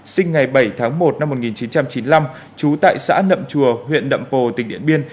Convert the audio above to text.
sinh ngày bảy tháng một năm một nghìn chín trăm chín mươi năm trú tại xã nậm chùa huyện nậm pồ tỉnh điện biên